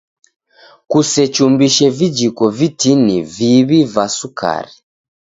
Kusechumbise vijiko vitini viw'i va sukari.